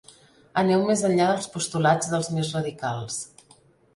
Aneu més enllà dels postulats dels més radicals.